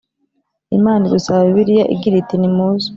Imana idusaba Bibiliya igira iti nimuze